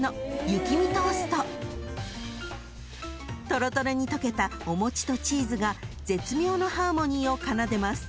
［とろとろに溶けたお餅とチーズが絶妙なハーモニーを奏でます］